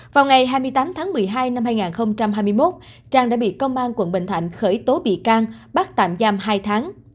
vào ngày hai mươi tám tháng một mươi hai năm hai nghìn hai mươi một trang đã bị công an quận bình thạnh khởi tố bị can bắt tạm giam hai tháng